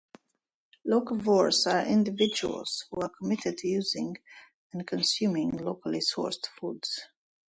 Locavores are individuals who are committed to using and consuming locally sourced foods.